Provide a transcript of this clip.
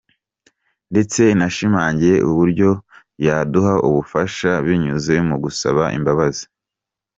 Ndetse nashimangiye uburyo yaduha ubufasha binyuze mu gusaba imbabazi.